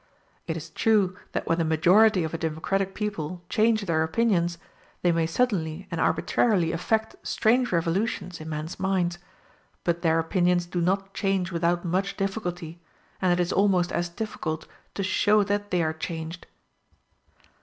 It is true, that when the majority of a democratic people change their opinions, they may suddenly and arbitrarily effect strange revolutions in men's minds; but their opinions do not change without much difficulty, and it is almost as difficult to show that they are changed.